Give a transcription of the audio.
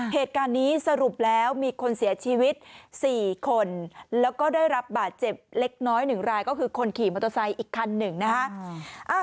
เหตุการณ์นี้สรุปแล้วมีคนเสียชีวิต๔คนแล้วก็ได้รับบาดเจ็บเล็กน้อย๑รายก็คือคนขี่มอเตอร์ไซค์อีกคันหนึ่งนะฮะ